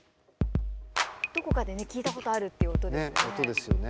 どこかでね聴いたことあるっていう音ですよね。